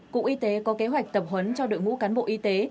cụ y tế có kế hoạch tập huấn cho đội ngũ cán bộ y tế